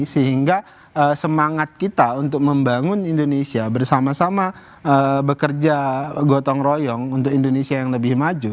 dan juga semangat kita untuk membangun indonesia bersama sama bekerja gotong royong untuk indonesia yang lebih maju